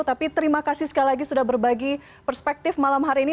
tapi terima kasih sekali lagi sudah berbagi perspektif malam hari ini